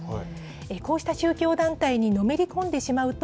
こうした宗教団体にのめり込んでしまうと、